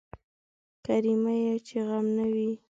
کرميه چې غم نه وي.